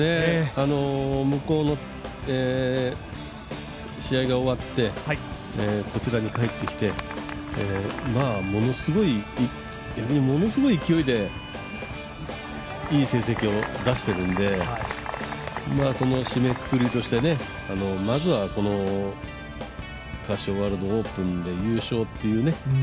向こうの試合が終わってこちらに帰ってきてものすごい勢いでいい成績を出しているのでその締めくくりとしてまずはカシオワールドオープンで優勝っていうね